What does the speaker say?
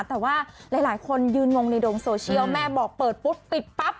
แต่ว่าหลายคนยืนงงในดงโซเชียลแม่บอกเปิดปุ๊บปิดปั๊บ